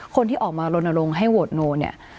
คนที่ออกมาลงลงให้เตรียมโรงละแนบเนี่ย